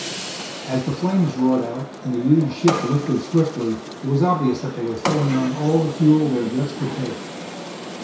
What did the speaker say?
As the flames roared out and the huge ship lifted swiftly it was obvious that they were throwing on all the fuel their jets could take.